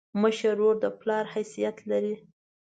مشر ورور د پلار حیثیت لري.